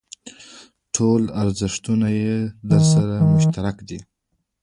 ټول ارزښتونه یې درسره مشترک دي.